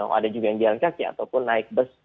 ada juga yang jalan kaki ataupun naik bus